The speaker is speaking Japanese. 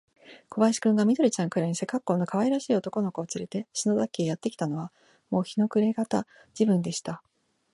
小林君が、緑ちゃんくらいの背かっこうのかわいらしい男の子をつれて、篠崎家へやってきたのは、もう日の暮れがた時分でした。